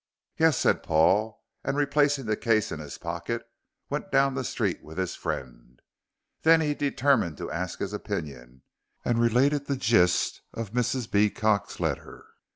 "Yes," said Paul, and replacing the case in his pocket went down the street with his friend. Then he determined to ask his opinion, and related the gist of Mrs. Beecot's letter.